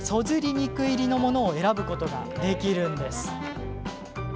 肉入りのものを選ぶことができるんです。